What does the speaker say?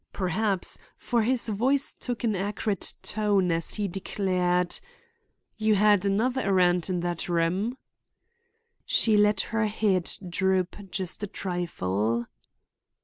Perhaps, for his voice took an acrid note as he declared: "You had another errand in that room?" She let her head droop just a trifle.